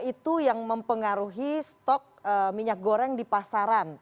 itu yang mempengaruhi stok minyak goreng di pasaran